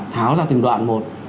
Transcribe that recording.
tháo ra từng đoạn một